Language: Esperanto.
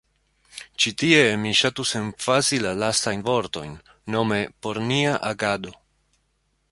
Ĉi tie mi ŝatus emfazi la lastajn vortojn, nome “por nia agado”.